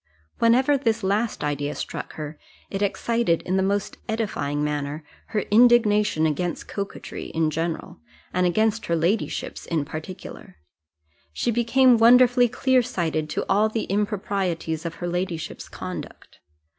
Whenever this last idea struck her, it excited, in the most edifying manner, her indignation against coquetry in general, and against her ladyship's in particular: she became wonderfully clear sighted to all the improprieties of her ladyship's conduct.